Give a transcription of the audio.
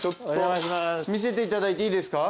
見せていただいていいですか？